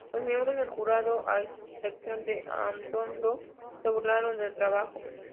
Los miembros del jurado -a excepción de Anton Bruckner- se burlaron del trabajo.